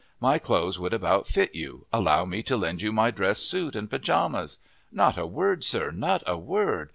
My clothes would about fit you allow me to lend you my dress suit and pajamas! Not a word, sir, not a word!